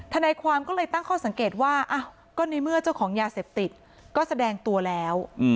ทนายความก็เลยตั้งข้อสังเกตว่าก็ในเมื่อเจ้าของยาเสพติดก็แสดงตัวแล้ว